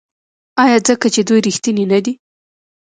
آیا ځکه چې دوی ریښتیني نه دي؟